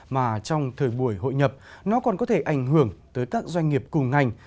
mà trong thời buổi hội nhập nó còn có thể ảnh hưởng tới các doanh nghiệp cùng ngành